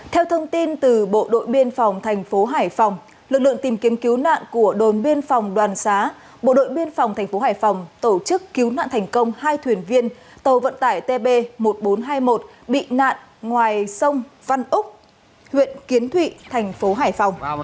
theo thông tin từ bộ đội biên phòng thành phố hải phòng lực lượng tìm kiếm cứu nạn của đồn biên phòng đoàn xá bộ đội biên phòng thành phố hải phòng tổ chức cứu nạn thành công hai thuyền viên tàu vận tải tb một nghìn bốn trăm hai mươi một bị nạn ngoài sông văn úc huyện kiến thụy thành phố hải phòng